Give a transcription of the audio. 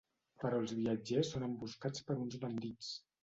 Però els viatgers són emboscats per uns bandits.